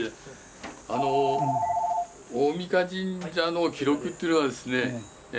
大甕神社の記録っていうのはですね